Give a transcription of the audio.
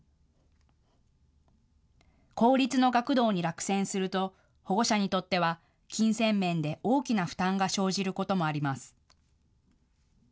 公立の学童に落選すると保護者にとっては金銭面で大きな負担が生じることもあります。